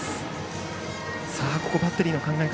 ここバッテリーの考え方